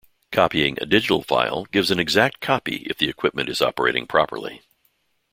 Copying a digital file gives an exact copy if the equipment is operating properly.